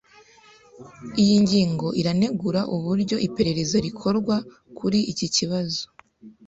Iyi ngingo iranegura uburyo iperereza rikorwa kuri iki kibazo